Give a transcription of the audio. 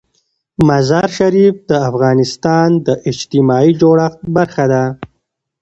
مزارشریف د افغانستان د اجتماعي جوړښت برخه ده.